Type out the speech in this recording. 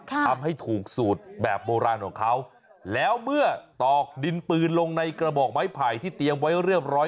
ทำให้ถูกสูตรแบบโบราณของเขาแล้วเมื่อตอกดินปืนลงในกระบอกไม้ไผ่ที่เตรียมไว้เรียบร้อย